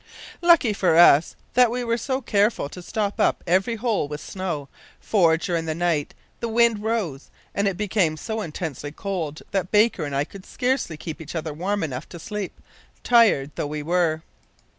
"Lucky for us that we were so careful to stop up every hole with snow, for, during the night the wind rose and it became so intensely cold that Baker and I could scarcely keep each other warm enough to sleep, tired though we were.